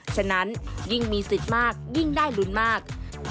ฉะนั้นยิ่งมีสิทธิ์มากยิ่งได้ลุ้นมาก